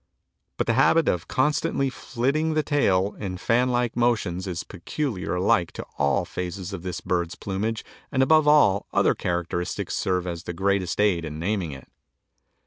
But the habit of constantly flitting the tail in fan like motions is peculiar alike to all phases of this bird's plumage and above all other characters serves as the greatest aid in naming it.